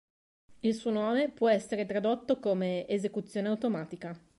Il suo nome può essere tradotto come "esecuzione automatica".